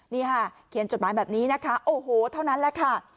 นี่ค่ะเขียนจดหมายแบบนี้นะคะโอ้โหเท่านั้นแหละค่ะ